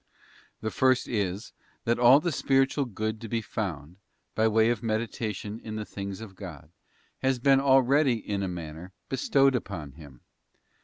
The first is, that all the spiritual good to be found, by way of meditation in the things of God, has been already in a manner bestowed upon him.